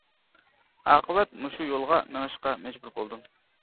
ئاقىۋەت مۇشۇ يولغا مېڭىشقا مەجبۇر بولدۇم.